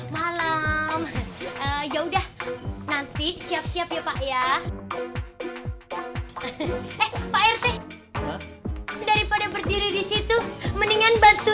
malam ya udah nanti siap siap ya pak ya pak rt daripada berdiri di situ mendingan bantu